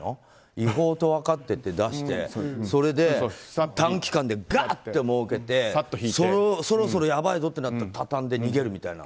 違法と分かっていて出してそれで短期間でガッともうけてそろそろやばいぞとなったらたたんで、逃げるみたいな。